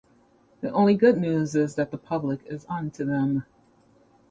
The only good news is that the public is on to them.